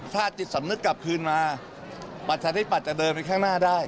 ถ้าจิตสำนึกกลับคืนมาประชาธิปัตยจะเดินไปข้างหน้าได้